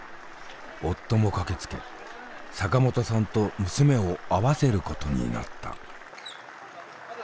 夫も駆けつけ坂本さんと娘を会わせることになった。